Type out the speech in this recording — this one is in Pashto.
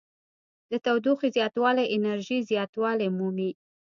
د تودوخې زیاتوالی انرژي زیاتوالی مومي.